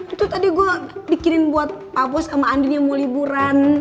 itu tadi gue bikinin buat papo sama andin yang mau liburan